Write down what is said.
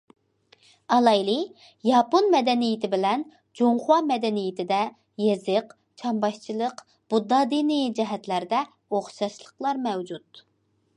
ئالايلى، ياپون مەدەنىيىتى بىلەن جۇڭخۇا مەدەنىيىتىدە يېزىق، چامباشچىلىق، بۇددا دىنىي جەھەتلەردە ئوخشاشلىقلار مەۋجۇت.